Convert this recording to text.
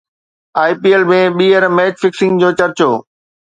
آئي P L ۾ ٻيهر match fixing جو چرچو